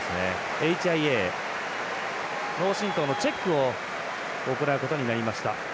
ＨＩＡ、脳震とうのチェックを行うことになりました。